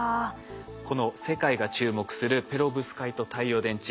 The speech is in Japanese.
この世界が注目するペロブスカイト太陽電池。